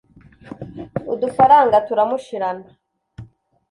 udufaranga turamushirana